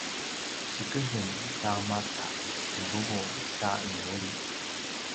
tjikezem ta maca ti vuvu sa inuli